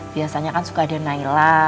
biasanya kan suka ada naila